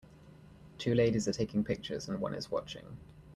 Two ladies are taking pictures and one is watching.